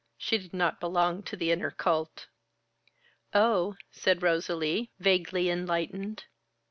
She did not belong to the inner cult. "Oh!" said Rosalie, vaguely enlightened.